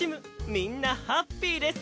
みんなハッピーです！